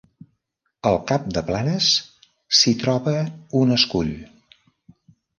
Al cap de Planes s'hi troba un escull.